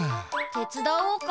てつだおうか？